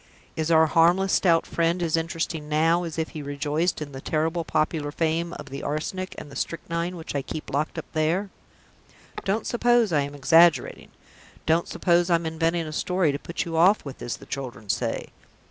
Is our harmless Stout Friend as interesting now as if he rejoiced in the terrible popular fame of the Arsenic and the Strychnine which I keep locked up there? Don't suppose I am exaggerating! Don't suppose I'm inventing a story to put you off with, as the children say.